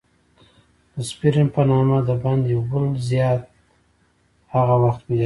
د سپرن په نامه د بند یو بل زیان هغه وخت پیدا کېږي.